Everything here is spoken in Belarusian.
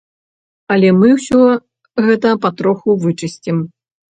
Але мы ўсё гэта патроху вычысцім.